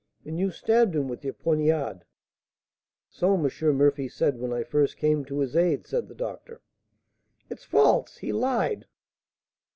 and you stabbed him with your poniard." "So M. Murphy said when I first came to his aid," said the doctor. "It's false! He lied!"